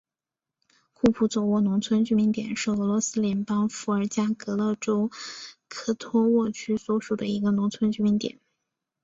库普佐沃农村居民点是俄罗斯联邦伏尔加格勒州科托沃区所属的一个农村居民点。